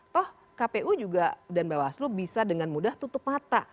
toh kpu juga dan bawaslu bisa dengan mudah tutup mata